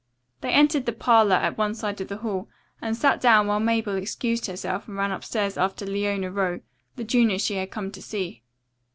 They entered the parlor at one side of the hall and sat down while Mabel excused herself and ran upstairs after Leona Rowe, the junior she had come to see.